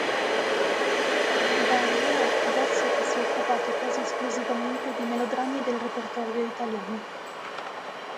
Da allora, Gossett si è occupato quasi esclusivamente di melodrammi del repertorio italiano.